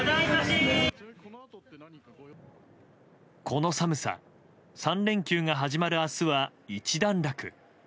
この寒さ３連休が始まる明日は一段落。